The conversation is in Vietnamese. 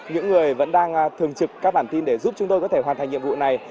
những người vẫn đang thường trực các bản tin để giúp chúng tôi có thể hoàn thành nhiệm vụ này